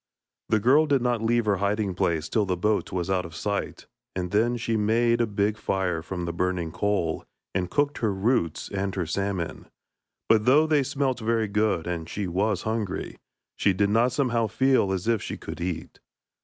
The girl did not leave her hiding place till the boat was out of sight, and then she made a big fire from the burning coal, and cooked her roots and her salmon; but though they smelt very good, and she was hungry, she did not somehow feel as if she could eat.